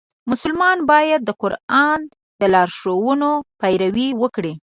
مسلمان باید د قرآن د لارښوونو پیروي وکړي.